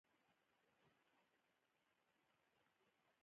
غوره ده چې ورسره روان شو.